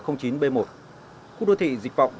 n chín b một khu đô thị dịch vọng